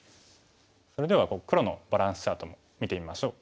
それでは黒のバランスチャートも見てみましょう。